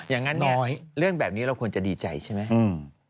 อย่างนั้นน้อยเรื่องแบบนี้เราควรจะดีใจใช่ไหม